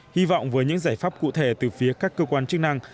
hy vọng với những giải pháp cụ thể từ phía các cơ quan chức năng